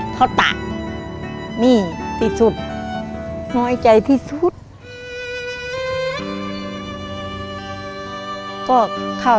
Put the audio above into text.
เขาตาก